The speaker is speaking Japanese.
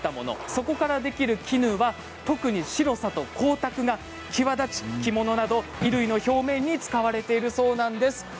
そこからできる絹は特に白さと光沢が際立ち着物など衣類の表面に使われているそうなんです。